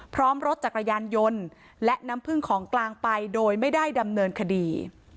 พร้อมรถจักรยานยนต์และน้ำพึ่งของกลางไปโดยไม่ได้ดำเนินคดี